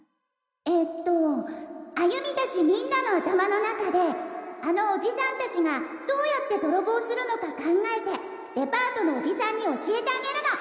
えっと歩美達みんなの頭の中であのオジさん達がどうやって泥棒するのか考えてデパートのオジさんに教えてあげるの！